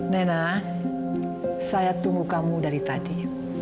nana saya tunggu kamu dari tadi